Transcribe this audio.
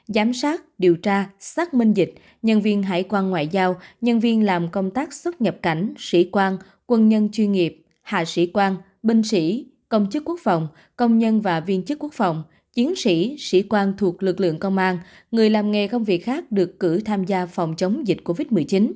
giám sát điều tra xác minh dịch nhân viên hải quan ngoại giao nhân viên làm công tác xuất nhập cảnh sĩ quan quân nhân chuyên nghiệp hạ sĩ quan binh sĩ công chức quốc phòng công nhân và viên chức quốc phòng chiến sĩ sĩ quan thuộc lực lượng công an người làm nghề công việc khác được cử tham gia phòng chống dịch covid một mươi chín